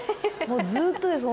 もうずっとです